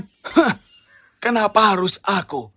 hah kenapa harus aku